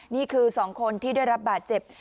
นี่คือ๒คนที่ได้รับบาดเจ็บ